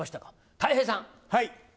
たい平さん。